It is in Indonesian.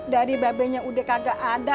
dari babenya udah kagak ada